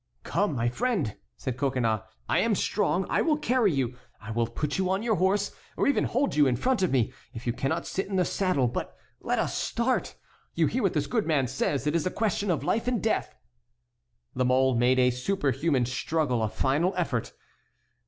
"Come, my friend," said Coconnas, "I am strong, I will carry you, I will put you on your horse, or even hold you in front of me, if you cannot sit in the saddle; but let us start. You hear what this good man says; it is a question of life and death." La Mole made a superhuman struggle, a final effort.